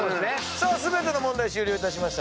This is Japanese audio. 全ての問題終了いたしました。